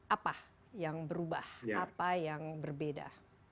apa yang berubah apa yang berbeda